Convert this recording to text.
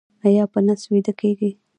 ایا په نس ویده کیږئ؟